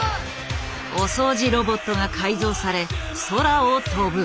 お掃除ロボットが改造され空を飛ぶ。